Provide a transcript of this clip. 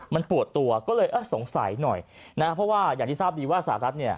มันปวดตัวก็เลยสงสัยหน่อยนะเพราะว่าอย่างที่ทราบดีว่าสหรัฐเนี่ย